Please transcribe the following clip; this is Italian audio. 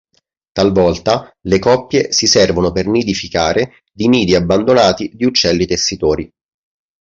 Talvolta, le coppie si servono per nidificare di nidi abbandonati di uccelli tessitori.